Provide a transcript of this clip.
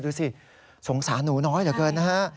ดูสิสงสารหนูน้อยเหลือเกินนะฮะ